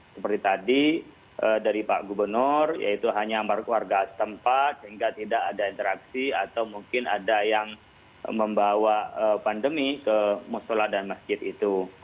seperti tadi dari pak gubernur yaitu hanya warga setempat sehingga tidak ada interaksi atau mungkin ada yang membawa pandemi ke musola dan masjid itu